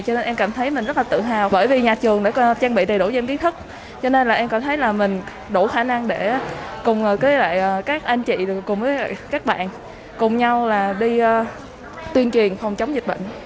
cho nên em cảm thấy mình rất tự hào bởi vì nhà trường đã trang bị đầy đủ giam kiến thức cho nên em cảm thấy mình đủ khả năng để cùng với các anh chị cùng với các bạn cùng nhau đi tuyên truyền phòng chống dịch bệnh